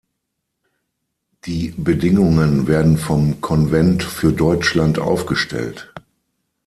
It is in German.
Die Bedingungen werden vom Konvent für Deutschland aufgestellt.